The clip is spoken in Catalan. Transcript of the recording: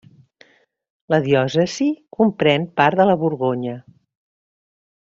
La diòcesi comprèn part de la Borgonya.